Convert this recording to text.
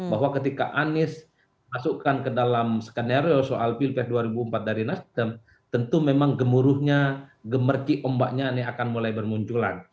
bahwa ketika anies masukkan ke dalam skenario soal pilpres dua ribu empat dari nasdem tentu memang gemuruhnya gemerci ombaknya ini akan mulai bermunculan